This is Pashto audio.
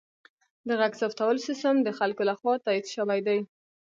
د غږ ثبتولو سیستم د خلکو لخوا تایید شوی دی.